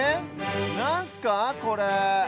なんすかこれ？